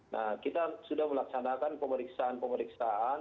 nah kita sudah melaksanakan pemeriksaan pemeriksaan